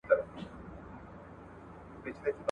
د کندهار د اطلاعات او فرهنګ رياست.